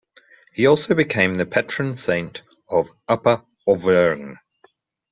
He also became the patron saint of Upper Auvergne.